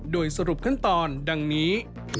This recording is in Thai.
โดยสรุปขั้นตอนดังนี้